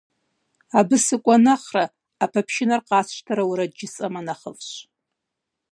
Абы сыкӀуэ нэхърэ, Ӏэпэпшынэр къасщтэрэ уэрэд жысӀэмэ нэхъыфӀщ.